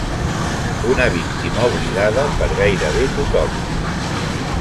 Una víctima oblidada per gairebé tothom.